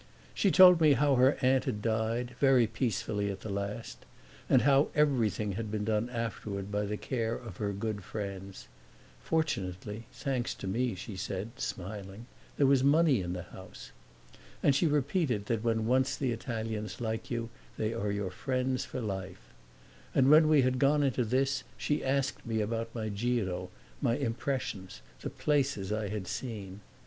She told me how her aunt had died, very peacefully at the last, and how everything had been done afterward by the care of her good friends (fortunately, thanks to me, she said, smiling, there was money in the house; and she repeated that when once the Italians like you they are your friends for life); and when we had gone into this she asked me about my giro, my impressions, the places I had seen.